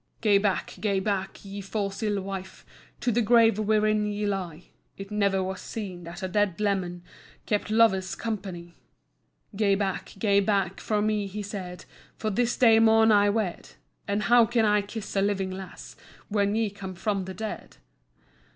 "Gae back, gae back, ye fause ill wife, To the grave wherein ye lie, It never was seen that a dead leman Kept lover's company! "Gae back, gae back frae me," he said, "For this day maun I wed, And how can I kiss a living lass, When ye come frae the dead?